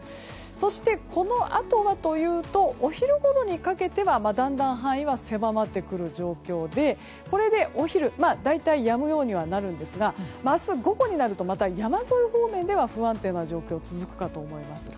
そして、このあとはというとお昼ごろにかけてはだんだん範囲は狭まってくる状況でこれでお昼、大体やむようにはなるんですが明日午後になると、また山沿い方面では不安定な状況が続くかと思います。